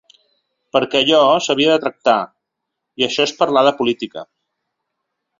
Perquè allò s’havia de tractar, i això és parlar de política.